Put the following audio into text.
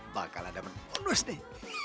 bakal ada penulis nih